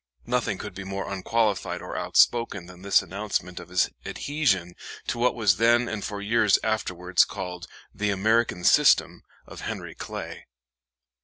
Nothing could be more unqualified or outspoken than this announcement of his adhesion to what was then and for years afterwards called "the American System" of Henry Clay.